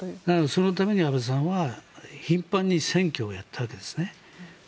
そのために安倍さんは頻繁に選挙をやったわけですね。